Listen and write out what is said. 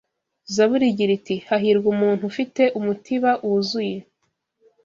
Zaburi igira iti "hahirwa umuntu ufite umutiba wuzuye